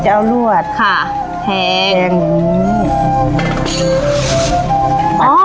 จะเอารวดค่ะแทงอย่างงี้